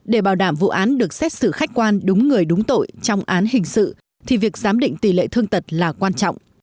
để bảo đảm vụ án được xét xử khách quan đúng người đúng tội trong án hình sự thì việc giám định tỷ lệ thương tật là quan trọng